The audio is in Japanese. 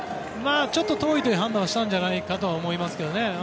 ちょっと遠いという判断をしたんじゃないかと思いますね。